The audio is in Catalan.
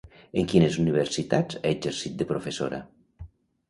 En quines universitats ha exercit de professora?